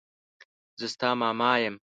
زه ستا ماما يم.